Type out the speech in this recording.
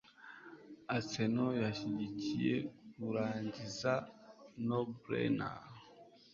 Arsenal yashyigikiye kurangiza nobrainer